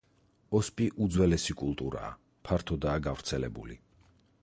ოსპი უძველესი კულტურაა, ფართოდაა გავრცელებული.